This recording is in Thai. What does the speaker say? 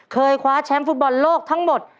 คว้าแชมป์ฟุตบอลโลกทั้งหมด